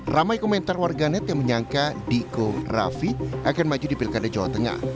ramai komentar warganet yang menyangka diko rafi akan maju di pilkada jawa tengah